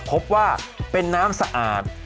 พบว่าเป็นน้ำสะอาด